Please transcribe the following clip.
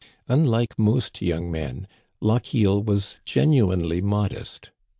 Unlike most young men, Lochiel was genuinely modest.